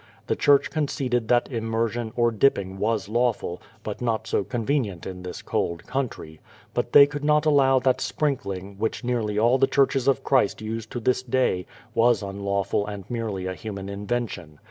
The church conceded that immer sion, or dipping, was lawful, but not so convenient in this cold country. But they could not allow that sprinkling, which nearly all the churches of Christ use to this day, was unlawful and merely a human invention.